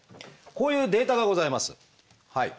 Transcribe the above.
こういうデータがございます。